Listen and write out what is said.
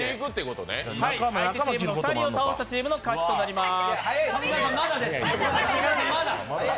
相手チームの２人を倒したチームの勝ちとなります。